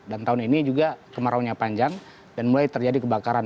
dan tahun ini juga kemarauannya panjang dan mulai terjadi kebakaran